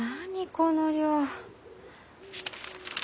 この量。